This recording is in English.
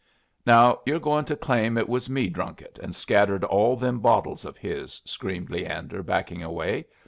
"Now you're going to claim it was me drunk it and scattered all them bottles of his," screamed Leander, backing away.